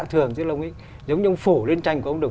thường giống như ông phổ lên tranh của ông đồng